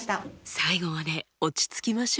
最後まで落ち着きましょう。